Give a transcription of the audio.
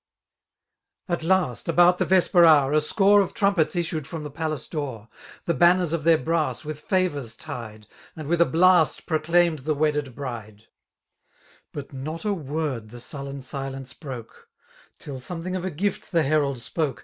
At last> abojit the veepi^ bour^ a score Of trumpets issued trom the pahee door> The banners of their bmss with fayours tiedj And with a blast prodaixned the wedded bride* But not a word the suHeii silence broke. Till sometliing of a gift the herakl spoke.